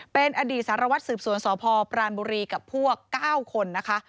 เป็นอดีตสารวัตรสืบสวนสพปรานบุรีกับพวก๙คนนะคะ